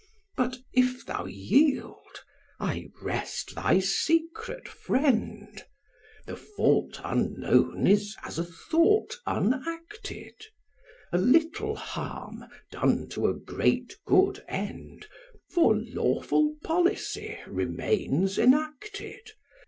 'But if thou yield, I rest thy secret friend: The fault unknown is as a thought unacted; A little harm done to a great good end For lawful policy remains enacted.